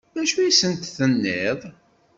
D acu i sent-tenniḍ?